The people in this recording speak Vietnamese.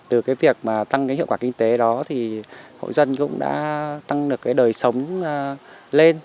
từ cái việc mà tăng cái hiệu quả kinh tế đó thì hộ dân cũng đã tăng được cái đời sống lên